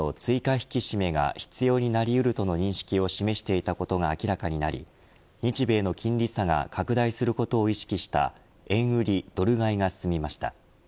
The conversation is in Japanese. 引き締めが必要になり得るとの認識を示していたことが明らかになり、日米の金利差が拡大することを意識した円売り、ドル買いが進みました。